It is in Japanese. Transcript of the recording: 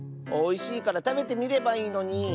おいしいからたべてみればいいのに。